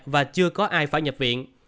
và chưa có ai phải nhập viện